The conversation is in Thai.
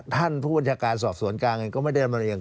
ท่านผู้บัญชาการสอบสวนกลางเองก็ไม่ได้มาเรียง